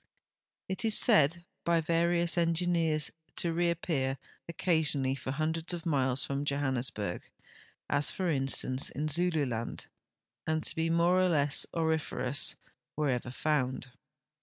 It is said by various engineers to reai)pcar occasional!}' for hundreds of miles from Johannes burg— as, for instance, in Zululand — and to be more or le.ss aurif erous wherever found.